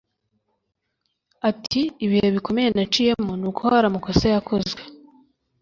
Ati “Ibihe bikomeye naciyemo ni uko hari amakosa yakozwe